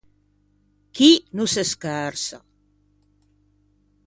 Chì no se schersa.